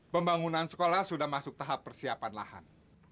pembangunan sekolah sudah masuk tahap persiapan lahan